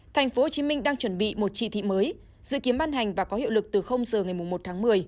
tp hcm đang chuẩn bị một chỉ thị mới dự kiến ban hành và có hiệu lực từ giờ ngày một tháng một mươi